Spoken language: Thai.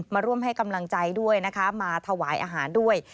มาร่วมให้กำลังใจด้วยนะคะมาถวายอาหารด้วย